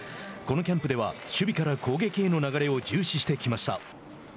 このキャンプでは守備から攻撃への流れを重視してきました。